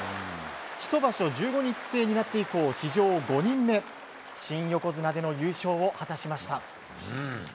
ひと場所１５日制になって以降史上５人目新横綱での優勝を果たしました。